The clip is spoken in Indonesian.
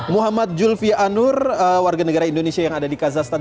muhammad julfie anur warga negara indonesia yang ada di kazahstan